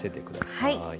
はい。